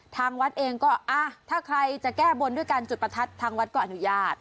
ทางวัดเองก็ถ้าใครจะแก้บนด้วยการจุดประทัดทางวัดก็อนุญาต